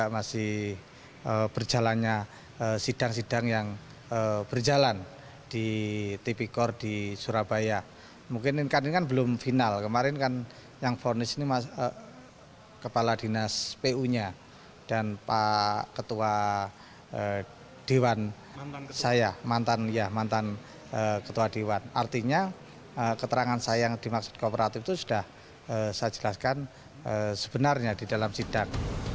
ketua dewan artinya keterangan saya yang dimaksudkan di kooperatif itu sudah saya jelaskan sebenarnya di dalam sidang